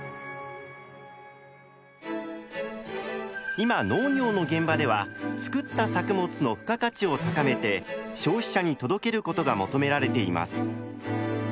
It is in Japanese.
今農業の現場では作った作物の「付加価値」を高めて消費者に届けることが求められています。